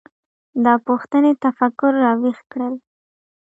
دا پوښتنې تفکر راویښ کړل.